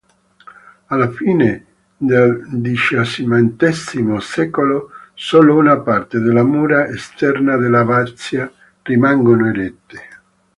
Alla fine del diciassettesimo secolo, solo una parte delle mura esterne dell'abbazia rimangono erette.